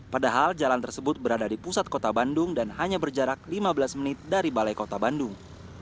padahal jalan tersebut berada di pusat kota bandung dan hanya berjarak lima belas menit dari balai kota bandung